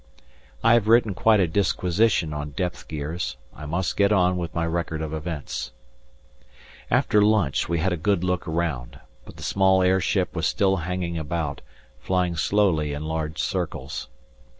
I have written quite a disquisition on depth gears; I must get on with my record of events. After lunch we had a good look round, but the small airship was still hanging about, flying slowly in large circles.